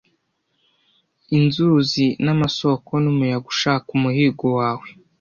Inzuzi n'amasoko, n'umuyaga ushaka umuhigo wawe;